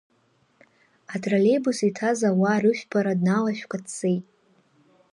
Атроллеибус иҭаз ауаа рыжәпара дналашәкәа дцеит.